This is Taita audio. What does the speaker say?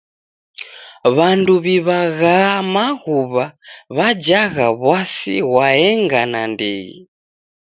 W'andu w'iw'agha maghuwa w'ajagha w'asi ghwaenga nandighi.